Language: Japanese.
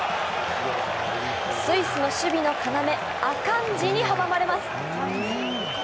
スイスの守備のかなめアカンジに阻まれます。